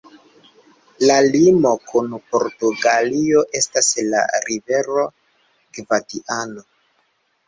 La limo kun Portugalio estas la rivero Gvadiano.